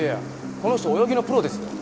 この人泳ぎのプロですよ。